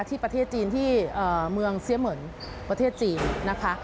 ที่ประเทศจีนที่เมืองเสียเหมือนประเทศจีนนะคะ